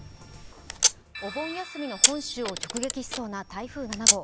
お盆休みの本州を直撃しそうな台風７号。